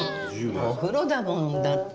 お風呂だもんだって。